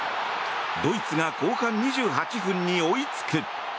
ドイツが後半２８分に追いつく。